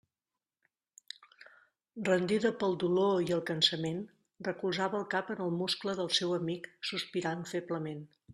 Rendida pel dolor i el cansament, recolzava el cap en el muscle del seu amic, sospirant feblement.